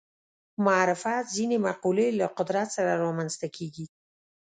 معرفت ځینې مقولې له قدرت سره رامنځته کېږي